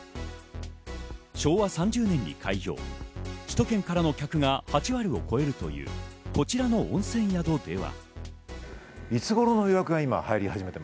昭和３０年に開業、首都圏からの客が８割を超えるというこちらの温泉宿では。